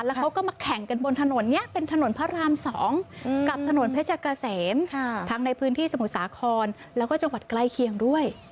แล้วเขาก็มาแข่งกันบนถนนนี้เป็นถนนพระราม๒กับถนนเพชรเกษมทั้งในพื้นที่สมุทรสาครแล้วก็จังหวัดใกล้เคียงด้วย